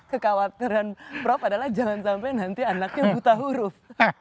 kekhawatiran prof adalah jangan sampai nanti anaknya buta huruf